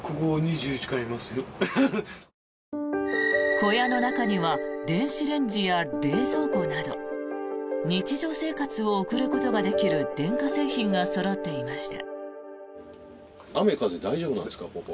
小屋の中には電子レンジや冷蔵庫など日常生活を送ることができる電化製品がそろっていました。